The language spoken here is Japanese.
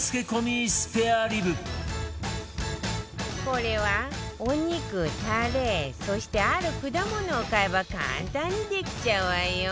これはお肉タレそしてある果物を買えば簡単にできちゃうわよ